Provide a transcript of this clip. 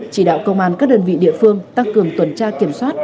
chỉ đạo công an các đơn vị địa phương tăng cường tuần tra kiểm soát